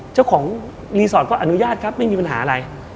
เจ้าของรีสอร์ทก็อนุญาตครับไม่มีปัญหาอะไร